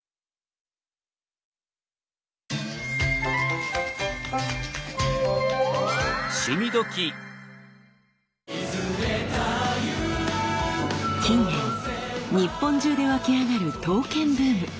近年日本中でわきあがる刀剣ブーム。